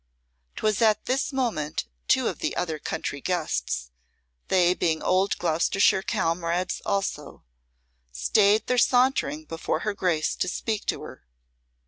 'Twas at this moment two of the other country guests they being old Gloucestershire comrades also stayed their sauntering before her Grace to speak to her.